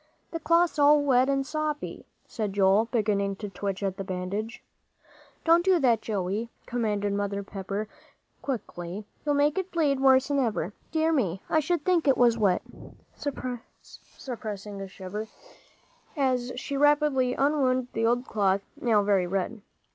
"The cloth's all wet and soppy," said Joel, beginning to twitch at the bandage. "Don't do that, Joey," commanded Mother Pepper, quickly, "you'll make it bleed worse'n ever. Dear me! I should think it was wet!" suppressing a shiver, as she rapidly unwound the old cloth, now very red.